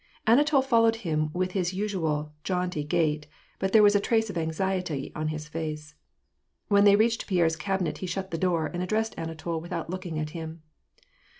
Anatol followed him with his usual jaunty gait, but there was a trace of anxiety on his face. When they reached Pierre's cabinet, he shut the door, and addressed Anatol without looking at him.